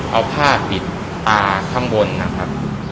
เอาผ้าปิดตาข้างบนนะครับ